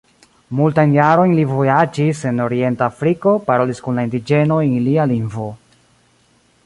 Multajn jarojn li vojaĝis en orienta Afriko, parolis kun la indiĝenoj en ilia lingvo.